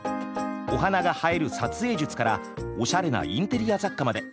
お花が映える撮影術からおしゃれなインテリア雑貨まで。